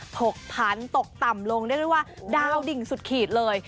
หกพันตกต่ำลงเรียกได้ว่าดาวดิ่งสุดขีดเลย